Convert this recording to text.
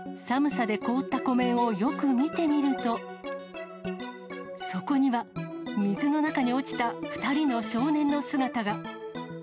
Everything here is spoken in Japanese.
寒さで凍った湖面をよく見てみると、そこには水の中に落ちた２人の少年の姿が。